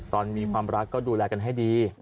มีความรักก็ดูแลกันให้ดี